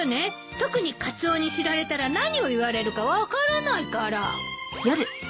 特にカツオに知られたら何を言われるか分からないから。